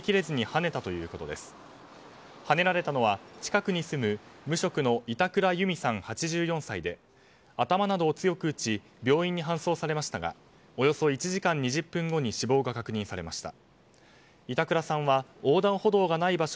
はねられたのは近くに住む無職の板倉ゆみさん、８４歳で頭などを強く打ち病院に搬送されましたがおよそ１時間２０分後に死亡が確認されました。